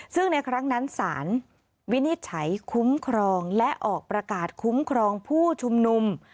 ซึ่งในครั้งนั้นสารวินิจฉัยคุ้มครองและออกประกาศคุ้มครองผู้ชุมนุม